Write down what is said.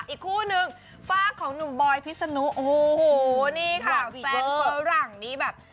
อีกคู่นึงฝากของหนุ่มบอยพิษนุโอ้โหนี่ค่ะแฟนฝรั่งนี่แบบ